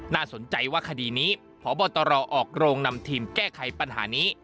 น่าสนใจว่าคดีนี้พบตรออกโรงนำทีมแก้ไขปัญหานี้